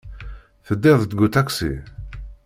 Teddiḍ-d deg uṭaksi?